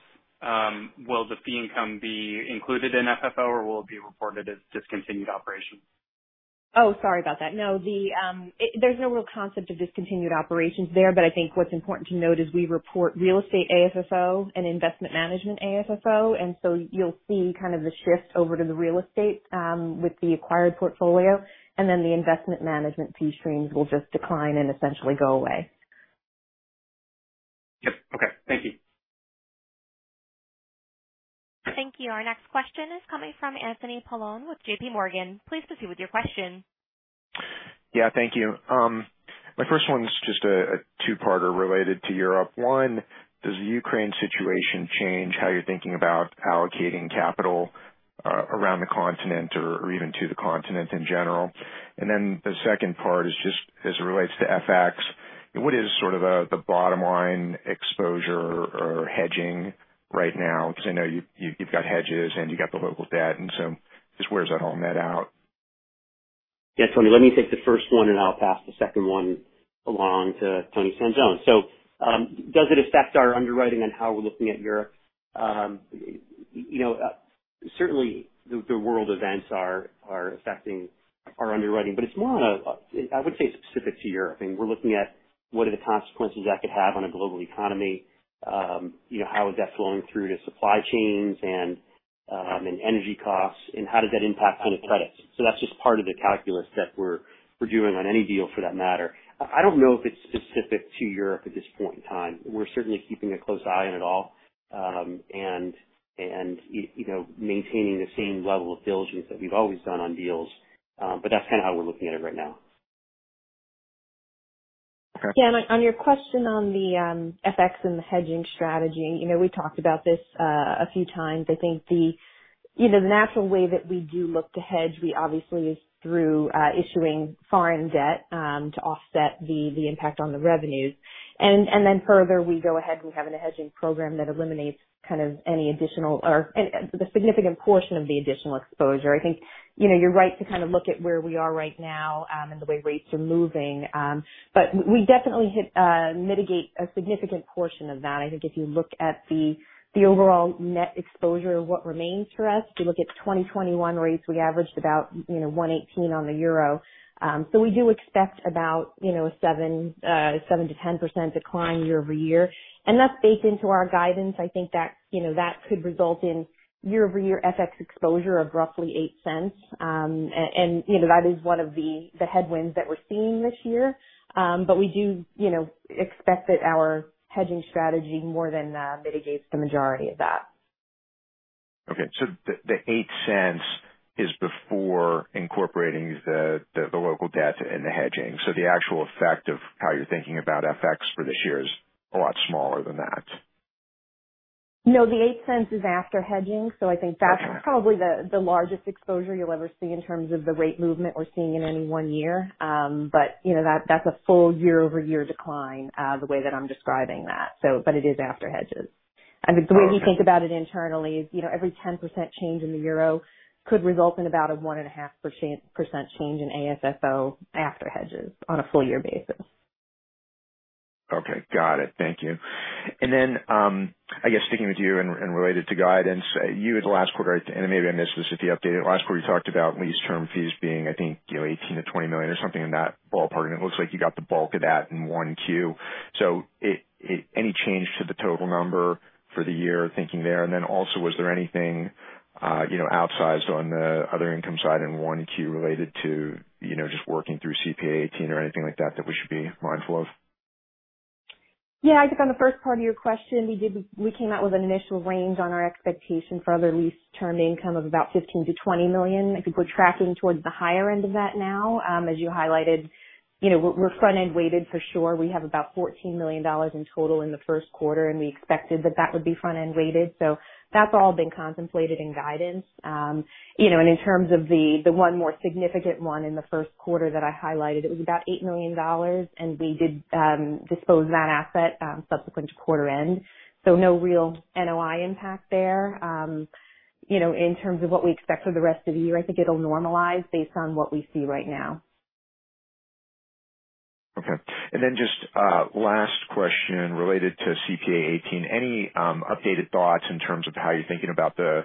will the fee income be included in FFO, or will it be reported as discontinued operations? Oh, sorry about that. No. There's no real concept of discontinued operations there. I think what's important to note is we report real estate AFFO and investment management AFFO. You'll see kind of the shift over to the real estate, with the acquired portfolio, and then the investment management fee streams will just decline and essentially go away. Yep. Okay. Thank you. Thank you. Our next question is coming from Anthony Paolone with JPMorgan. Please proceed with your question. Yeah, thank you. My first one's just a two-parter related to Europe. One, does the Ukraine situation change how you're thinking about allocating capital around the continent or even to the continent in general? And then the second part is just as it relates to FX, what is sort of the bottom line exposure or hedging right now? Because I know you've got hedges and you've got the local debt, and so just where's that all net out? Yeah, Toni, let me take the first one, and I'll pass the second one along to Toni Sanzone. Does it affect our underwriting and how we're looking at Europe? You know, certainly the world events are affecting our underwriting, but it's more of a, I would say it's specific to Europe. I mean, we're looking at what are the consequences that could have on a global economy, you know, how is that flowing through to supply chains and energy costs, and how does that impact on the credits? That's just part of the calculus that we're doing on any deal for that matter. I don't know if it's specific to Europe at this point in time. We're certainly keeping a close eye on it all, and you know, maintaining the same level of diligence that we've always done on deals. That's kind of how we're looking at it right now. Okay. Yeah. On your question on the FX and the hedging strategy, you know, we talked about this a few times. I think the natural way that we do look to hedge, we obviously is through issuing foreign debt to offset the impact on the revenues. Then further we go ahead and we have a hedging program that eliminates kind of any additional or a significant portion of the additional exposure. I think, you know, you're right to kind of look at where we are right now and the way rates are moving. We definitely mitigate a significant portion of that. I think if you look at the overall net exposure of what remains for us, if you look at 2021 rates, we averaged about, you know, 1.18 on the euro. We do expect about, you know, 7%-10% decline year-over-year. That's baked into our guidance. I think that, you know, that could result in year-over-year FX exposure of roughly $0.08. You know, that is one of the headwinds that we're seeing this year. We do, you know, expect that our hedging strategy more than mitigates the majority of that. Okay. The $0.08 is before incorporating the local debt and the hedging. The actual effect of how you're thinking about FX for this year is a lot smaller than that. No, the $0.08 is after hedging. I think that's probably the largest exposure you'll ever see in terms of the rate movement we're seeing in any one year. But you know, that's a full year-over-year decline, the way that I'm describing that. It is after hedges. The way we think about it internally is, you know, every 10% change in the euro could result in about a 1.5% change in AFFO after hedges on a full year basis. Okay. Got it. Thank you. I guess sticking with you and related to guidance, you know, last quarter, and maybe I missed this if you updated. Last quarter you talked about lease term fees being, I think, you know, $18 million-$20 million or something in that ballpark, and it looks like you got the bulk of that in 1Q. Any change to the total number for the year thinking there, and then also was there anything, you know, outsized on the other income side in 1Q related to, you know, just working through CPA:18 or anything like that that we should be mindful of? Yeah. I think on the first part of your question, we came out with an initial range on our expectation for other lease term income of about $15 million-$20 million. I think we're tracking towards the higher end of that now. As you highlighted, you know, we're front-end weighted for sure. We have about $14 million in total in the Q1, and we expected that that would be front-end weighted. That's all been contemplated in guidance. You know, and in terms of the one more significant one in the Q1 that I highlighted, it was about $8 million and we did dispose of that asset subsequent to quarter end. No real NOI impact there. you know, in terms of what we expect for the rest of the year, I think it'll normalize based on what we see right now. Okay. Just last question related to CPA:18. Any updated thoughts in terms of how you're thinking about the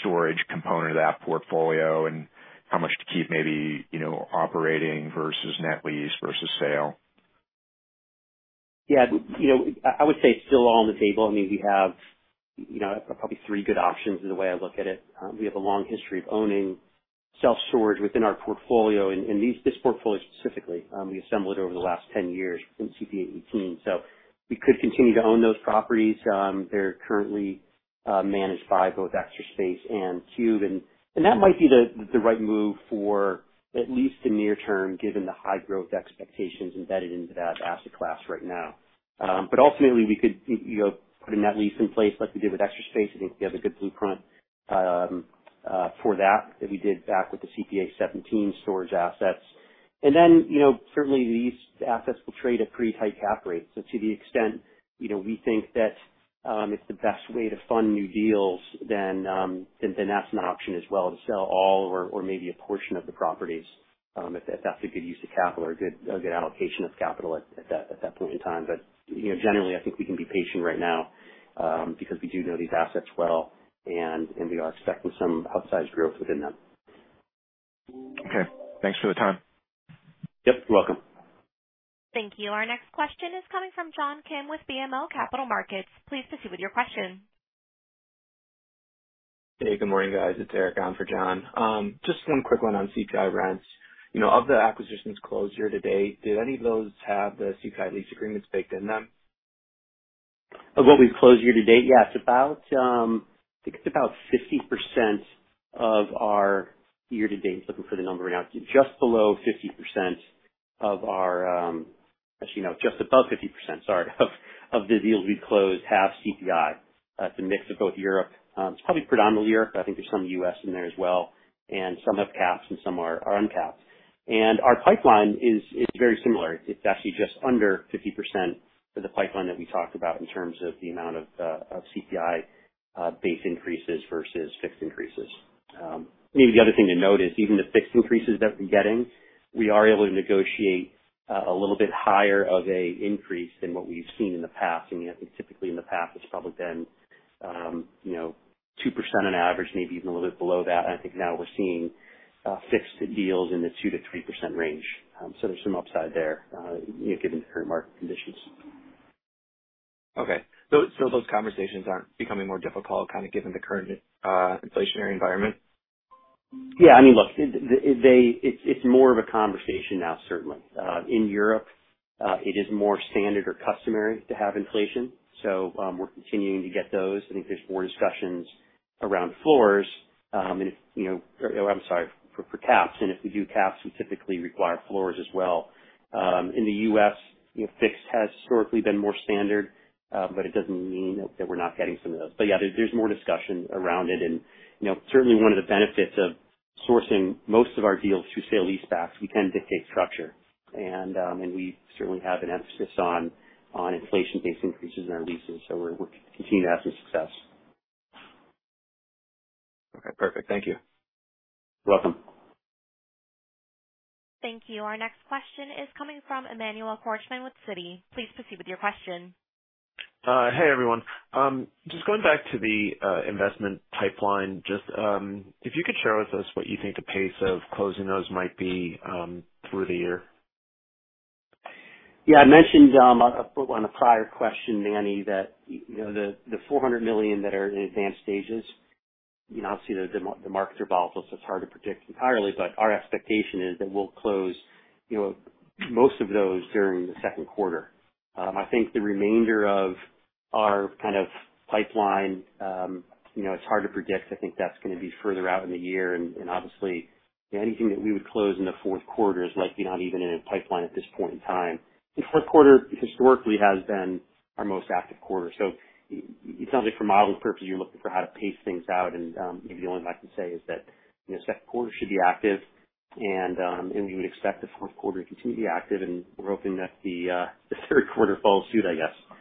storage component of that portfolio and how much to keep maybe, you know, operating versus net lease versus sale? Yeah. You know, I would say it's still all on the table. I mean, we have, you know, probably three good options in the way I look at it. We have a long history of owning self-storage within our portfolio and this portfolio specifically, we assembled over the last 10 years in CPA:18, so we could continue to own those properties. They're currently managed by both Extra Space Storage and CubeSmart. And that might be the right move for at least the near term, given the high growth expectations embedded into that asset class right now. But ultimately we could, you know, put a net lease in place like we did with Extra Space Storage. I think we have a good blueprint for that we did back with the CPA:17 storage assets. You know, certainly these assets will trade at pretty tight cap rates. To the extent, you know, we think that it's the best way to fund new deals, then that's an option as well to sell all or maybe a portion of the properties, if that's a good use of capital or a good allocation of capital at that point in time. You know, generally I think we can be patient right now, because we do know these assets well and we are expecting some outsized growth within them. Okay. Thanks for the time. Yep. Welcome. Thank you. Our next question is coming from John Kim with BMO Capital Markets. Please proceed with your question. Hey, good morning, guys. It's Eric on for John. Just one quick one on CPI rents. You know, of the acquisitions closed year to date, did any of those have the CPI lease agreements baked in them? Of what we've closed year to date? Yes, about, I think it's about 50% of our year to date. I'm looking for the number now. It's just below 50% of our, actually, no, just above 50%, sorry, of the deals we've closed have CPI. It's a mix of both Europe. It's probably predominantly Europe. I think there's some U.S. in there as well. Some have caps and some are uncapped. Our pipeline is very similar. It's actually just under 50% for the pipeline that we talked about in terms of the amount of CPI base increases versus fixed increases. Maybe the other thing to note is even the fixed increases that we're getting, we are able to negotiate a little bit higher of a increase than what we've seen in the past. I think typically in the past it's probably been, you know, 2% on average, maybe even a little bit below that. I think now we're seeing fixed deals in the 2%-3% range. There's some upside there, you know, given the current market conditions. Okay. Those conversations aren't becoming more difficult kind of given the current, inflationary environment? Yeah. I mean, look, it's more of a conversation now, certainly. In Europe, it is more standard or customary to have inflation, so we're continuing to get those. I think there's more discussions around floors or, I'm sorry, caps. If we do caps, we typically require floors as well. In the U.S., you know, fixed has historically been more standard, but it doesn't mean that we're not getting some of those. Yeah, there's more discussion around it. You know, certainly one of the benefits of sourcing most of our deals through sale-leasebacks, we tend to dictate structure. We certainly have an emphasis on inflation-based increases in our leases, so we're continuing to have some success. Okay. Perfect. Thank you. You're welcome. Thank you. Our next question is coming from Emmanuel Korchman with Citi. Please proceed with your question. Hey, everyone. Just going back to the investment pipeline, just if you could share with us what you think the pace of closing those might be, through the year. Yeah. I mentioned on a prior question, Manny, that you know, the $400 million that are in advanced stages, you know, obviously the markets are volatile, so it's hard to predict entirely. Our expectation is that we'll close you know, most of those during the Q2. I think the remainder of our kind of pipeline, you know, it's hard to predict. I think that's gonna be further out in the year. Obviously anything that we would close in the Q4 is likely not even in a pipeline at this point in time. The Q4 historically has been our most active quarter. It sounds like for modeling purposes, you're looking for how to pace things out. Maybe the only thing I can say is that, you know, Q2 should be active. We would expect the Q4 to continue to be active, and we're hoping that the Q3 follows suit, I guess.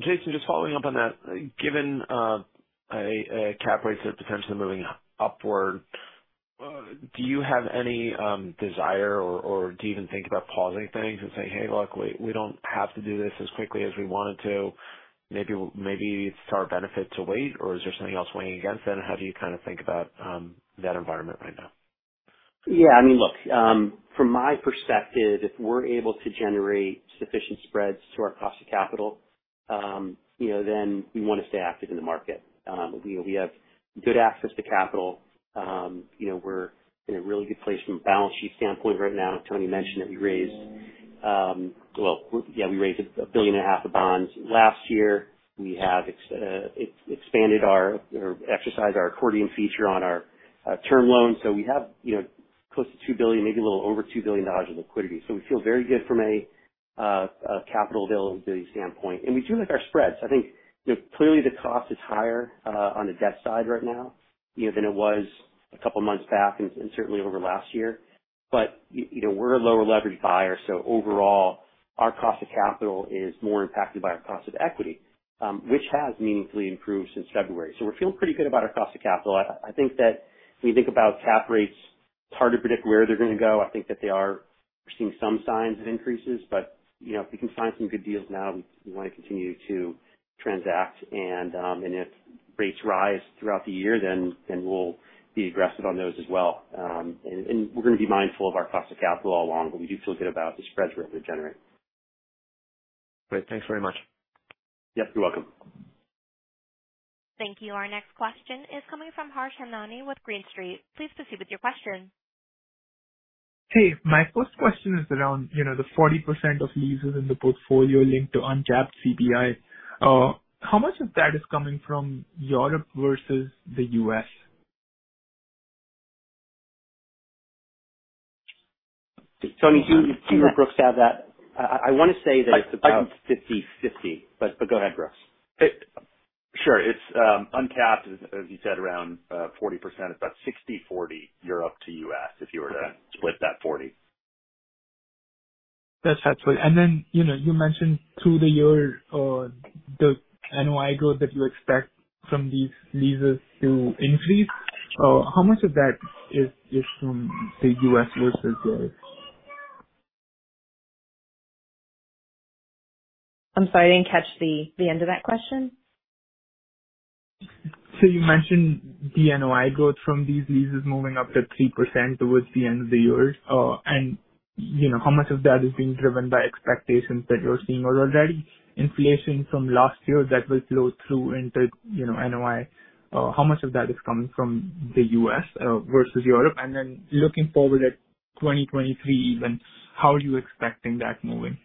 Jason, just following up on that, given a cap rate that potentially moving upward, do you have any desire or do you even think about pausing things and say, "Hey, look, we don't have to do this as quickly as we wanted to. Maybe it's to our benefit to wait," or is there something else weighing against that? How do you kind of think about that environment right now? Yeah, I mean, look, from my perspective, if we're able to generate sufficient spreads to our cost of capital, you know, then we wanna stay active in the market. You know, we have good access to capital. You know, we're in a really good place from a balance sheet standpoint right now. Toni mentioned that we raised. Well, yeah, we raised a billion and a half of bonds last year. We have exercised our accordion feature on our term loan. So we have, you know, close to $2 billion, maybe a little over $2 billion in liquidity. So we feel very good from a capital availability standpoint. We do like our spreads. I think, you know, clearly the cost is higher on the debt side right now, you know, than it was a couple of months back and certainly over last year. You know, we're a lower leverage buyer, so overall our cost of capital is more impacted by our cost of equity, which has meaningfully improved since February. We're feeling pretty good about our cost of capital. I think that when you think about cap rates, it's hard to predict where they're gonna go. I think that they are. We're seeing some signs of increases, but, you know, if we can find some good deals now, we wanna continue to transact. If rates rise throughout the year, then we'll be aggressive on those as well. We're gonna be mindful of our cost of capital all along, but we do feel good about the spreads we're able to generate. Great. Thanks very much. Yep, you're welcome. Thank you. Our next question is coming from Harsh Hemnani with Green Street. Please proceed with your question. Hey. My first question is around, you know, the 40% of leases in the portfolio linked to uncapped CPI. How much of that is coming from Europe versus the U.S.? Toni, do you or Brooks have that? I wanna say that it's about 50/50, but go ahead, Brooks. Sure. It's uncapped, as you said, around 40%. It's about 60/40 Europe to U.S. if you were to split that 40%. That's helpful. Then, you know, you mentioned through the year, the NOI growth that you expect from these leases to increase. How much of that is from the U.S. versus Europe? I'm sorry, I didn't catch the end of that question. You mentioned the NOI growth from these leases moving up to 3% towards the end of the year. You know, how much of that is being driven by expectations that you're seeing already inflation from last year that will flow through into, you know, NOI? How much of that is coming from the U.S. versus Europe? Then looking forward at 2023 even, how are you expecting that moving?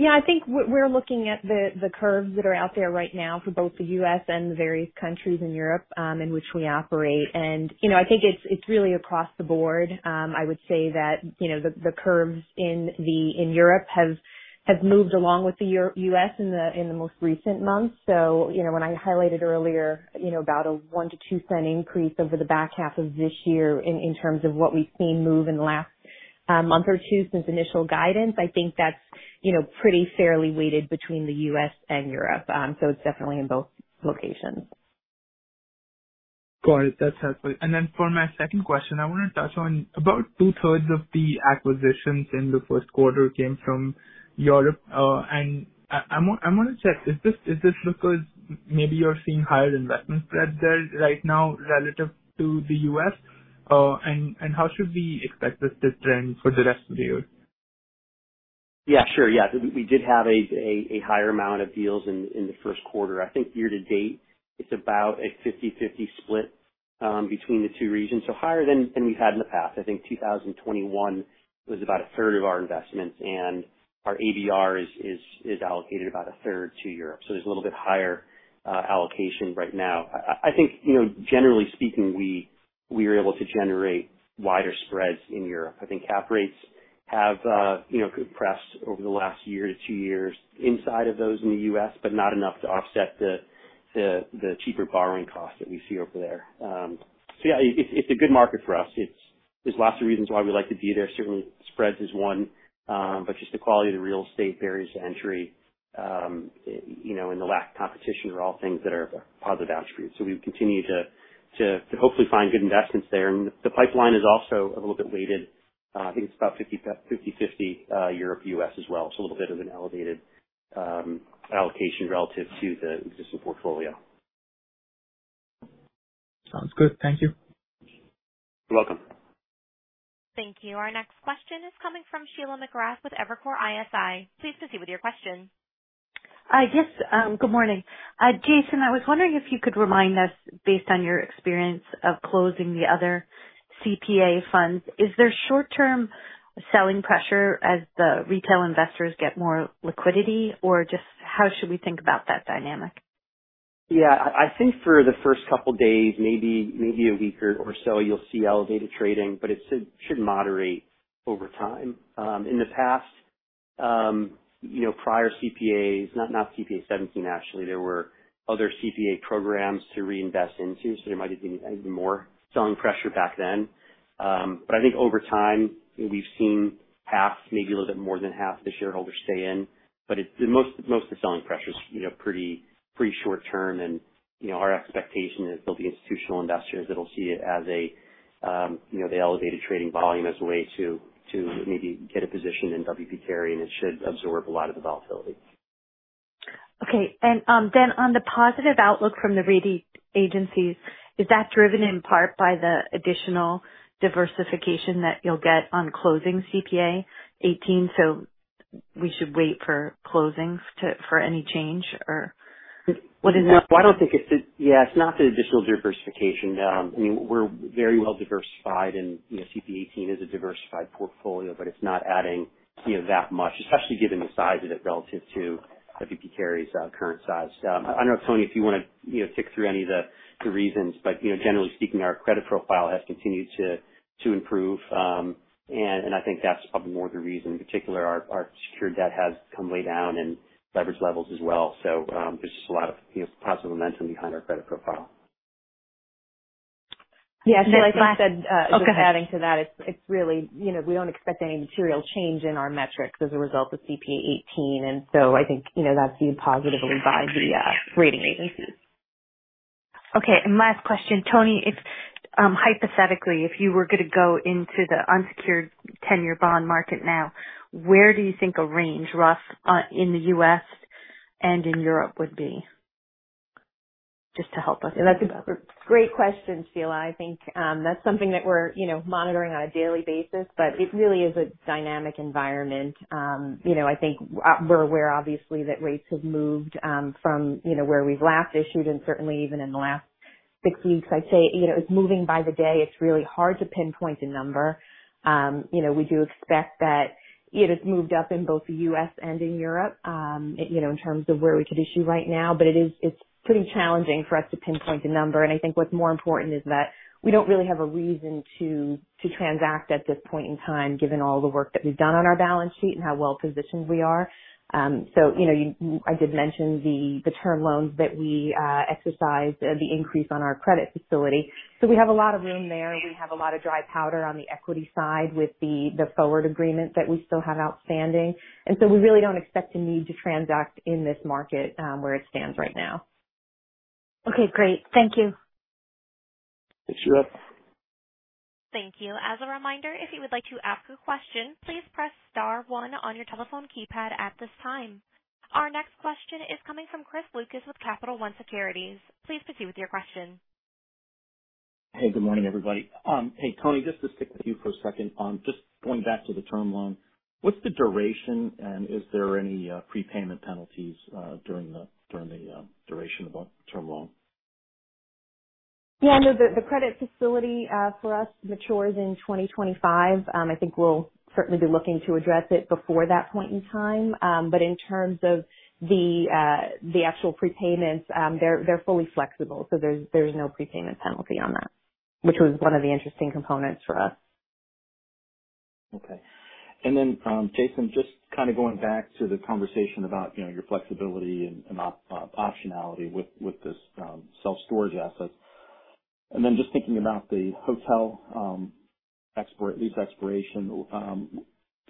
Yeah. I think we're looking at the curves that are out there right now for both the U.S. and the various countries in Europe in which we operate. You know, I think it's really across the board. I would say that, you know, the curves in Europe have moved along with the EUR-US in the most recent months. You know, when I highlighted earlier, you know, about a 1%-2% increase over the back half of this year in terms of what we've seen move in the last month or two since initial guidance, I think that's, you know, pretty fairly weighted between the U.S. and Europe. It's definitely in both locations. Got it. That's helpful. For my second question, I wanna touch on about two-thirds of the acquisitions in the Q1 came from Europe. I wanna check, is this because maybe you're seeing higher investment spread there right now relative to the U.S.? How should we expect this trend for the rest of the year? Yeah, sure. Yeah. We did have a higher amount of deals in the Q1. I think year to date it's about a 50/50 split between the two regions, so higher than we've had in the past. I think 2021 was about a third of our investments, and our ADR is allocated about a third to Europe. There's a little bit higher allocation right now. I think, you know, generally speaking, we are able to generate wider spreads in Europe. I think cap rates have, you know, compressed over the last year to two years inside of those in the U.S., but not enough to offset the cheaper borrowing costs that we see over there. Yeah, it's a good market for us. There's lots of reasons why we like to be there. Certainly spreads is one. Just the quality of the real estate, barriers to entry, you know, and the lack of competition are all things that are positive attributes. We continue to hopefully find good investments there. The pipeline is also a little bit weighted. I think it's about 50/50, Europe, U.S. as well. A little bit of an elevated allocation relative to the existing portfolio. Sounds good. Thank you. You're welcome. Thank you. Our next question is coming from Sheila McGrath with Evercore ISI. Please proceed with your question. Yes. Good morning. Jason, I was wondering if you could remind us, based on your experience of closing the other CPA funds, is there short-term selling pressure as the retail investors get more liquidity? Or just how should we think about that dynamic? Yeah. I think for the first couple days, maybe a week or so, you'll see elevated trading, but it should moderate over time. In the past, you know, prior CPAs, not CPA 17 actually, there were other CPA programs to reinvest into, so there might have been even more selling pressure back then. But I think over time, we've seen half, maybe a little bit more than half the shareholders stay in. But it's most of the selling pressure's, you know, pretty short-term. You know, our expectation is there'll be institutional investors that'll see it as a, you know, the elevated trading volume as a way to maybe get a position in W. P. Carey, and it should absorb a lot of the volatility. Okay. On the positive outlook from the rating agencies, is that driven in part by the additional diversification that you'll get on closing CPA:18, so we should wait for closings for any change or what is it? No, I don't think it's the. Yeah, it's not the additional diversification. I mean, we're very well diversified and, you know, CPA 18 is a diversified portfolio, but it's not adding, you know, that much, especially given the size of it relative to W. P. Carey's current size. I don't know, Toni, if you wanna, you know, tick through any of the reasons, but, you know, generally speaking, our credit profile has continued to improve. And I think that's probably more the reason. In particular, our secured debt has come way down and leverage levels as well. There's just a lot of, you know, positive momentum behind our credit profile. Yeah. Yeah, like I said. Oh, go ahead. Just adding to that, it's really, you know, we don't expect any material change in our metrics as a result of CPA 18, and so I think, you know, that's viewed positively by the rating agencies. Okay. Last question. Toni, if, hypothetically, if you were gonna go into the unsecured ten-year bond market now, where do you think a rough range in the U.S. and in Europe would be? Just to help us. That's a great question, Sheila. I think, that's something that we're, you know, monitoring on a daily basis, but it really is a dynamic environment. You know, I think we're aware obviously that rates have moved, from, you know, where we've last issued and certainly even in the last six weeks. I'd say, you know, it's moving by the day. It's really hard to pinpoint a number. You know, we do expect that it has moved up in both the U.S. and in Europe, you know, in terms of where we could issue right now. But it is. It's pretty challenging for us to pinpoint a number. I think what's more important is that we don't really have a reason to transact at this point in time, given all the work that we've done on our balance sheet and how well-positioned we are. You know, I did mention the term loans that we exercised, the increase on our credit facility. We have a lot of room there. We have a lot of dry powder on the equity side with the forward agreement that we still have outstanding. We really don't expect to need to transact in this market where it stands right now. Okay, great. Thank you. Thanks, Sheila. Thank you. As a reminder, if you would like to ask a question, please press star one on your telephone keypad at this time. Our next question is coming from Chris Lucas with Capital One Securities. Please proceed with your question. Hey, good morning, everybody. Hey, Toni, just to stick with you for a second. Just going back to the term loan, what's the duration and is there any prepayment penalties during the duration of the term loan? Yeah. No, the credit facility for us matures in 2025. I think we'll certainly be looking to address it before that point in time. In terms of the actual prepayments, they're fully flexible, so there's no prepayment penalty on that, which was one of the interesting components for us. Okay. Jason, just kind of going back to the conversation about, you know, your flexibility and optionality with this self-storage asset. Just thinking about the hotel lease expiration.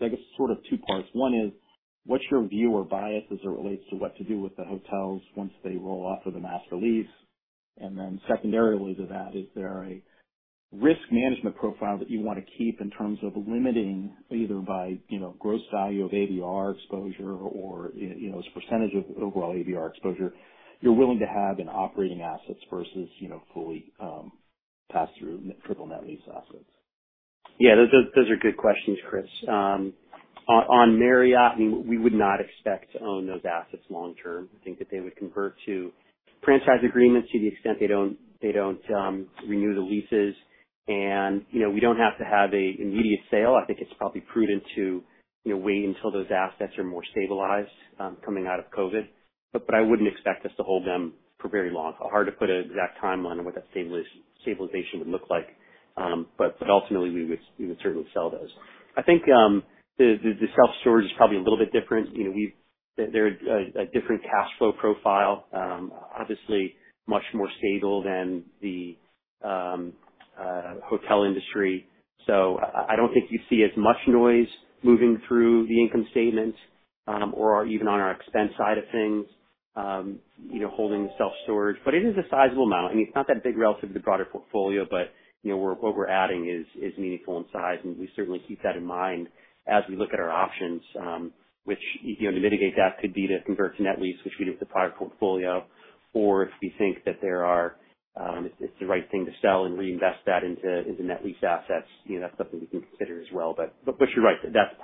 I guess sort of two parts. One is, what's your view or bias as it relates to what to do with the hotels once they roll off of the master lease? Secondarily to that, is there a risk management profile that you wanna keep in terms of limiting either by, you know, gross value of ABR exposure or, you know, as a percentage of overall ABR exposure, you're willing to have in operating assets versus, you know, fully passed through triple net lease assets? Yeah, those are good questions, Chris. On Marriott, we would not expect to own those assets long term. I think that they would convert to franchise agreements to the extent they don't renew the leases. You know, we don't have to have an immediate sale. I think it's probably prudent to you know wait until those assets are more stabilized coming out of COVID. I wouldn't expect us to hold them for very long. Hard to put an exact timeline on what that stabilization would look like. Ultimately, we would certainly sell those. I think the self-storage is probably a little bit different. You know, they're at a different cash flow profile. Obviously much more stable than the hotel industry. I don't think you see as much noise moving through the income statement, or even on our expense side of things, you know, holding self-storage. But it is a sizable amount. I mean, it's not that big relative to the broader portfolio, but, you know, what we're adding is meaningful in size, and we certainly keep that in mind as we look at our options, which, you know, to mitigate that could be to convert to net lease, which we do with the prior portfolio. Or if we think that there are, it's the right thing to sell and reinvest that into net leased assets, you know, that's something we can consider as well. But you're right. That's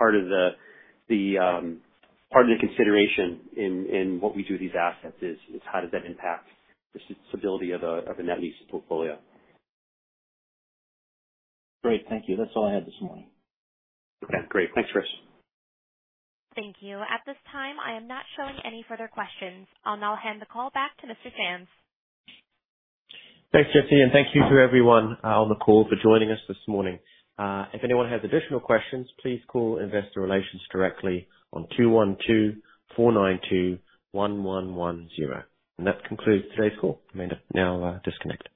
part of the consideration in what we do with these assets is how does that impact the stability of a net lease portfolio. Great. Thank you. That's all I had this morning. Okay, great. Thanks, Chris. Thank you. At this time, I am not showing any further questions. I'll now hand the call back to Mr. Sands. Thanks, Jesse, and thank you to everyone on the call for joining us this morning. If anyone has additional questions, please call investor relations directly on 212-492-1110. That concludes today's call. You may now disconnect.